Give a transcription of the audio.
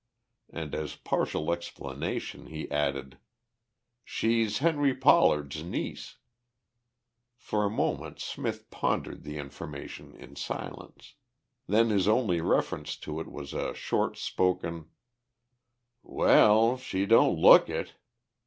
And as partial explanation, he added, "She's Henry Pollard's niece." For a moment Smith pondered the information in silence. Then his only reference to it was a short spoken, "Well, she don't look it!